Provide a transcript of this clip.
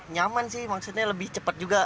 nyaman sih maksudnya lebih cepat juga